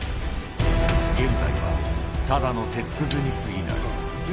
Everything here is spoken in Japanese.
現在はただの鉄くずにすぎない。